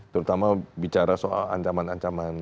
terutama bicara soal ancaman ancaman